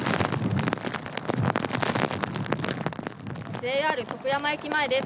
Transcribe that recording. ＪＲ徳山駅前です。